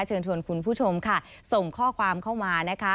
เชิญชวนคุณผู้ชมค่ะส่งข้อความเข้ามานะคะ